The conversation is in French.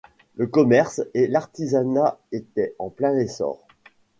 Le commerce et l'artisanat étaient en plein essor.